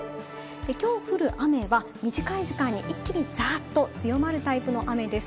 きょう降る雨は短い時間に一気にざっと強まるタイプの雨です。